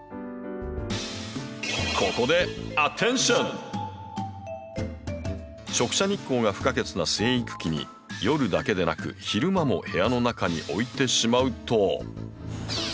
ここで直射日光が不可欠な生育期に夜だけでなく昼間も部屋の中に置いてしまうと。